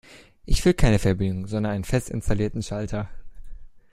Ich will keine Fernbedienung, sondern einen fest installierten Schalter.